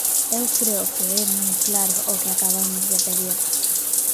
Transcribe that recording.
Eu creo que é moi claro o que acabamos de pedir.